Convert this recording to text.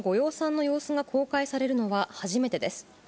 今年のご養蚕の様子が公開されるのは初めてです。